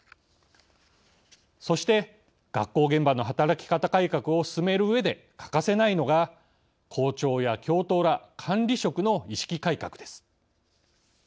そして学校現場の働き方改革を進めるうえで欠かせないのが校長や教頭ら管理職の意識改革です。